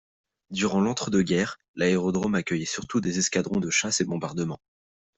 Durant l’entre-deux guerres, l’aérodrome accueillait surtout des escadrons de chasse et bombardement.